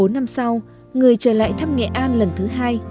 bốn năm sau người trở lại thăm nghệ an lần thứ hai